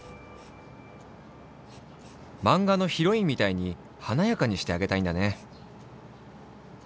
まんがのヒロインみたいにはなやかにしてあげたいんだね。